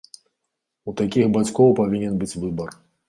У такіх бацькоў павінен быць выбар.